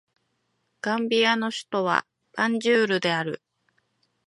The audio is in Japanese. ガンビアの首都はバンジュールである